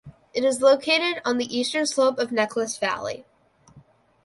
It is located on the eastern slope of Necklace Valley.